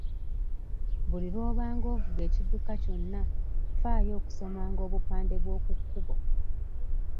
Buli lw'obanga ovuga ekidduka kyonna ffaayo okusomanga obupande bw'okukkubo.